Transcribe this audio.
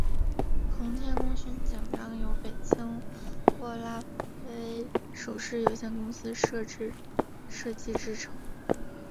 航天功勋奖章由北京握拉菲首饰有限公司设计制作。